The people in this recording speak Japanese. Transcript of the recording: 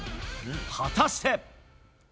果たして。